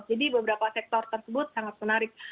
jadi beberapa sektor tersebut sangat menarik